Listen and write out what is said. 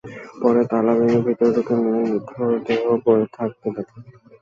পরে তালা ভেঙে ভেতরে ঢুকে মেয়ের নিথর দেহ পড়ে থাকতে দেখেন।